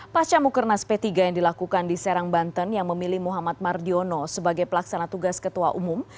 pasca mukernas p tiga yang dilakukan di serang banten yang memilih muhammad mardiono sebagai pelaksana tugas ketua umum